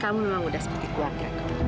kamu memang udah seperti keluarga